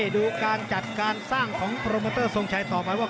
ดูการจัดการสร้างของโปรโมเตอร์ทรงชัยต่อไปว่า